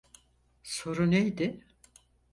Soru neydi?